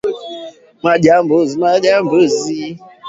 tisini na nane nukta tano za kura mjini Accra akaachwa huru Mwaka elfu moja